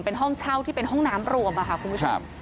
เป็นห้องเช่าที่เป็นห้องน้ำรวมค่ะคุณผู้ชม